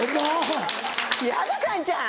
ヤダさんちゃん！